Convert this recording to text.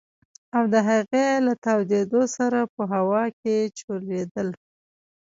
او د هغې له تاوېدو سره په هوا کښې چورلېدل.